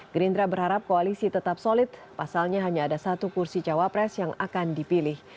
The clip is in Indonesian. gerindra berharap koalisi tetap solid pasalnya hanya ada satu kursi cawapres yang akan dipilih